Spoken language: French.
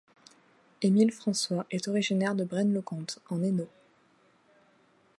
Émile François est originaire de Braine-le-Comte, en Hainaut.